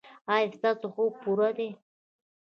ایا ستاسو خوب پوره دی؟